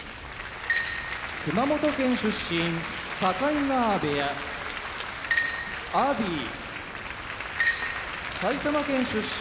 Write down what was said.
熊本県出身境川部屋阿炎埼玉県出身